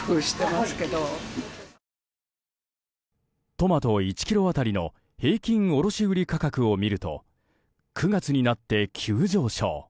トマト１ｋｇ当たりの平均卸売価格を見ると９月になって急上昇。